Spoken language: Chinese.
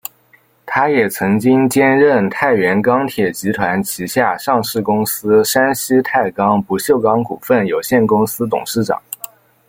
他也曾经兼任太原钢铁集团旗下上市公司山西太钢不锈钢股份有限公司董事长。